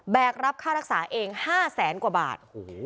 รับค่ารักษาเอง๕แสนกว่าบาท